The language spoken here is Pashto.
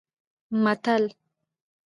متل: